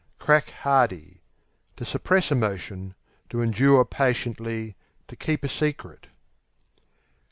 Crack hardy To suppress emotion; to endure patiently; to keep a secret.